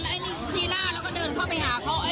อันนี้ชี้หน้าแล้วก็เดินเข้าไปหาเขา